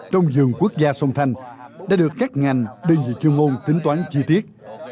trong dường quốc gia sông thanh đã được các ngành đơn vị chiêu ngôn tính toán chi tiết